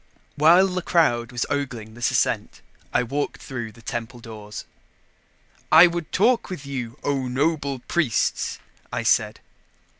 While the crowd was ogling this ascent, I walked through the temple doors. "I would talk with you, O noble priests," I said.